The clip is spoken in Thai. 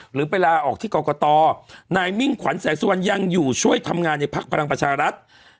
หรือไปลาออกที่กรกตนายมิ่งขวัญแสงสุวรรณยังอยู่ช่วยทำงานในพักพลังประชารัฐ